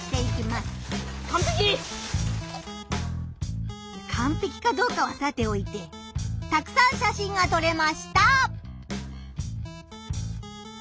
カンペキかどうかはさておいてたくさん写真が撮れました！